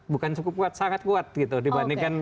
bukan cukup kuat sangat kuat gitu dibandingkan